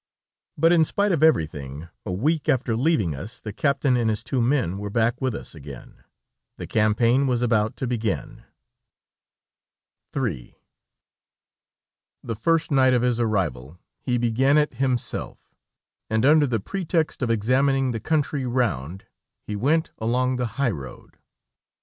But in spite of everything, a week after leaving us, the captain and his two men were back with us again. The campaign was about to begin. III The first night of his arrival, he began it himself, and, under the pretext of examining the country round, he went along the high road.